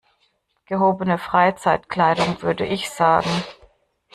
Gehobene Freizeitkleidung würde ich sagen.